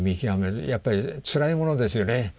やっぱりつらいものですよね